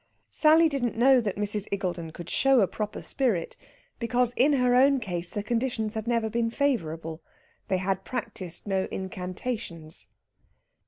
Sally didn't know that Mrs. Iggulden could show a proper spirit, because in her own case the conditions had never been favourable. They had practised no incantations.